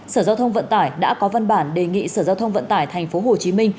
sở giao thông vận tải đã có văn bản đề nghị sở giao thông vận tải tp hcm